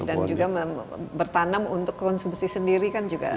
dan juga bertanam untuk konsumsi sendiri kan juga